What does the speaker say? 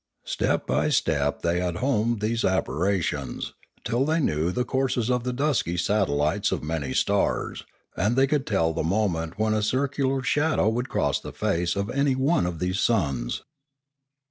Step by step had they homed these aberrations, till they knew the courses of the dusky satellites of many stars, and they could tell the moment when a circular shadow would cross the face of any one of these suns.